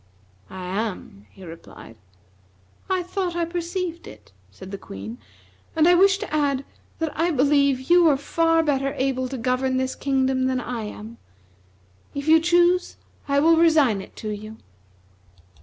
"I am," he replied. "I thought I perceived it," said the Queen, "and I wish to add that I believe you are far better able to govern this kingdom than I am. If you choose I will resign it to you."